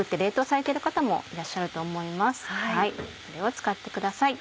それを使ってください。